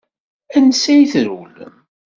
Ansa i trewlem?